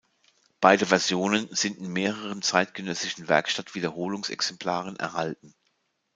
Beide Versionen sind in mehreren zeitgenössischen Werkstatt-Wiederholungs-Exemplaren erhalten.